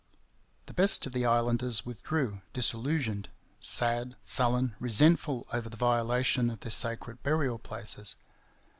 The best of the islanders withdrew disillusioned, sad, sullen, resentful over the violation of their sacred burial places.